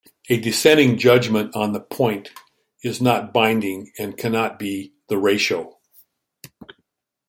A dissenting judgment on the point is not binding and cannot be the ratio.